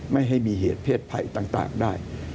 ไม่ให้มีเหตุเพศภัยต่างได้